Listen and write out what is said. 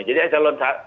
jadi eselon i